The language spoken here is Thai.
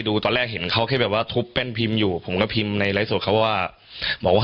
คือแบบว่าทุกเป็นพิมพ์อยู่ผมก็พิมพ์ไอไลท์สอทเขาว่าบอกว่า